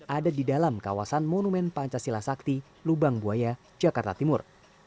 ada di dalam kawasan monumen pancasila sakti lubang buaya jakarta timur